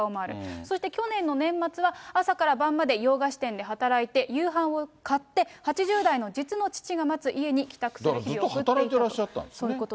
そして去年の年末は朝から晩まで洋菓子店で働いて、夕飯を買って、８０代の実の父が待つ家に帰宅する日々を送っていたと。